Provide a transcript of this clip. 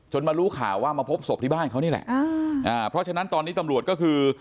มารู้ข่าวว่ามาพบศพที่บ้านเขานี่แหละอ่าอ่าเพราะฉะนั้นตอนนี้ตำรวจก็คือ